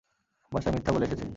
বাসায় মিথ্যা বলে এসেছে।